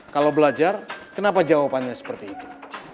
kalau belajar kenapa jawabannya seperti itu